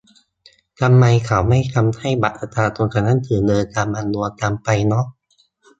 ทำไมเขาไม่ทำให้บัตรประชาชนกับหนังสือเดินทางมันรวมกันไปหนอ